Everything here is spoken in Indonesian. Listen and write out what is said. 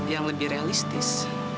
yang lebih realistis